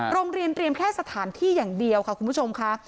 โรงเรียนเตรียมแค่สถานที่อย่างเดียวค่ะคุณผู้ชมค่ะ